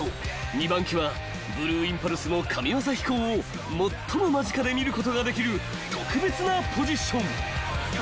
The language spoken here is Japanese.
２番機はブルーインパルスの神業飛行を最も間近で見ることができる特別なポジション］